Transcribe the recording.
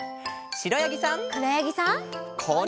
くろやぎさん。